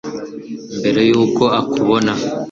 mbere y'uko akubona